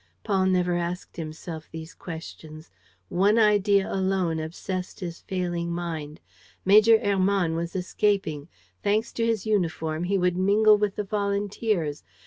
Paul never asked himself these questions. One idea alone obsessed his failing mind. Major Hermann was escaping. Thanks to his uniform, he would mingle with the volunteers!